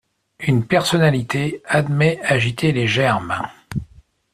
Une personnalité admet agiter les germes.